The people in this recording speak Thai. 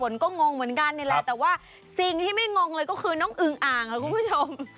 เยิงสิสิงที่ไม่งงเลยคือน้องอึ๋งอ่างครับคุณผู้ชม